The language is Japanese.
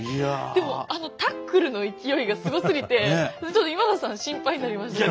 でもあのタックルの勢いがすごすぎでちょっと今田さん心配になりました。